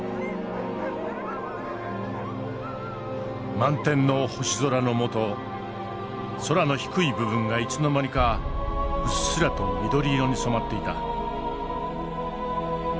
満天の星空の下空の低い部分がいつの間にかうっすらと緑色に染まっていた。